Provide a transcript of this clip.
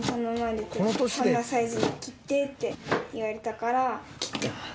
こんなサイズに切ってって言われたから切ってます。